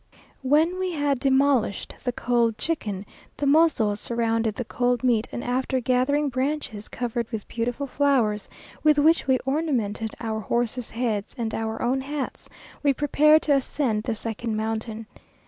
When we had demolished the cold chicken, the mozos surrounded the cold meat, and after gathering branches covered with beautiful flowers, with which we ornamented our horses' heads and our own hats, we prepared to ascend the second mountain.